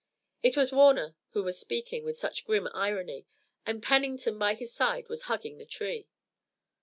It was Warner who was speaking with such grim irony, and Pennington by his side was hugging the tree.